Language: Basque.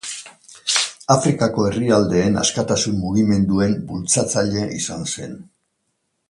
Afrikako herrialdeen askatasun-mugimenduen bultzatzaile izan zen.